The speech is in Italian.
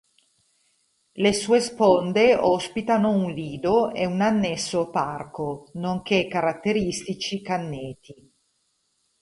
Le sue sponde ospitano un lido e un annesso parco, nonché caratteristici canneti.